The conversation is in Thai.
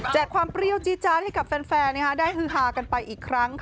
ความเปรี้ยวจี๊จาดให้กับแฟนได้ฮือฮากันไปอีกครั้ง